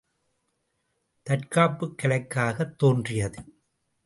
தற்காப்புக் கலைக்காகத் தோன்றியது!